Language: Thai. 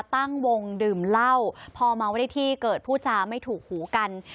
ตั้งวงดื่มเหล้าพอเมาไว้ในที่เกิดพูดจาไม่ถูกหูกัน